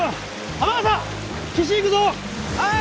はい！